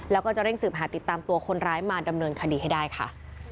แล้วก็จะเร่งสืบหาติดตามตัวคนร้ายมาดำเนินคดีให้ได้ค่ะ